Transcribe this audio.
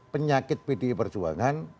penyakit pdi perjuangan